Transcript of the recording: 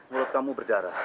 mulut kamu berdarah